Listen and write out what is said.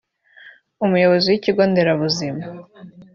umuyobozi w’iki kigo nderabuzima